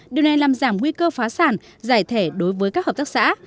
điều này làm giảm nguy cơ phá sản giải thể đối với các hợp tác xã